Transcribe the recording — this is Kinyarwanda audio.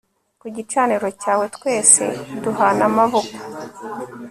ku gicaniro cyawe twese duhana amaboko